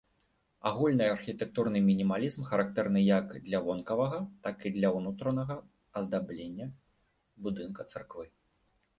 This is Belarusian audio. Агульны архітэктурны мінімалізм характэрны як для вонкавага, так і для ўнутранага аздаблення будынка царквы.